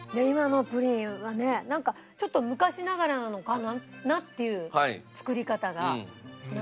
今のプリンはねなんかちょっと昔ながらなのかなっていう作り方が。